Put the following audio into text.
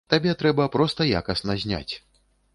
Табе трэба проста якасна зняць.